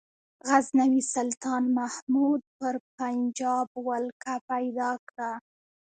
غزنوي سلطان محمود پر پنجاب ولکه پیدا کړه.